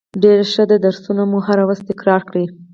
ډیره ښه ده درسونه مو هره ورځ تکرار کړئ